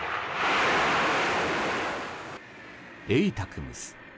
ＡＴＡＣＭＳ。